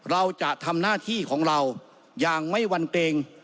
เราจะทำหน้าที่ของเราอย่างไม่วันเกรง